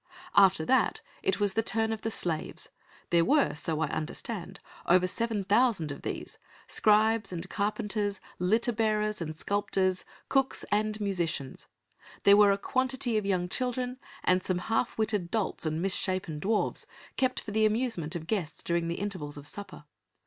After that it was the turn of the slaves. There were, so I understand, over seven thousand of these: scribes and carpenters, litter bearers and sculptors, cooks and musicians; there were a quantity of young children, and some half witted dolts and misshapen dwarfs, kept for the amusement of guests during the intervals of supper.